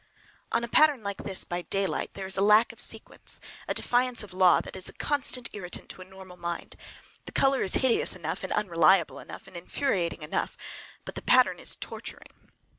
On a pattern like this, by daylight, there is a lack of sequence, a defiance of law, that is a constant irritant to a normal mind. The color is hideous enough, and unreliable enough, and infuriating enough, but the pattern is torturing.